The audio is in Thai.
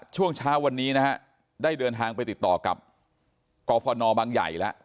ช่วงเช้าวันนี้นะฮะได้เดินทางไปติดต่อกับกรฟนบางใหญ่แล้ว